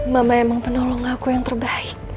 mama emang penolong aku yang terbaik